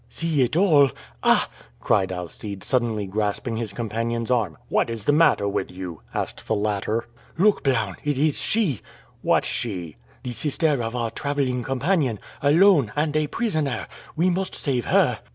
"See it all! ah!" cried Alcide, suddenly, grasping his companion's arm. "What is the matter with you?" asked the latter. "Look, Blount; it is she!" "What she?" "The sister of our traveling companion alone, and a prisoner! We must save her."